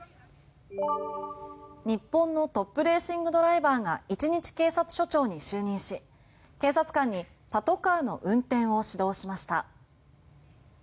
日本のトップレーシングドライバーが一日警察署長に就任し、警察官にパトカーの運転を指導しました。